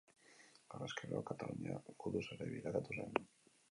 Harrezkero, Katalunia gudu-zelai bilakatu zen.